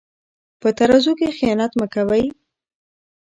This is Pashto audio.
په ترازو کې خیانت مه کوئ.